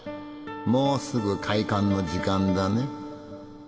もうすぐ開館の時間だね。